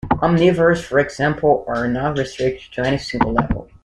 Omnivores, for example, are not restricted to any single level.